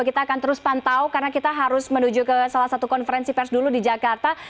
kita akan terus pantau karena kita harus menuju ke salah satu konferensi pers dulu di jakarta